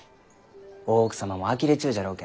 大奥様もあきれちゅうじゃろうけんど。